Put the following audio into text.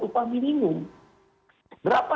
upah minimum berapa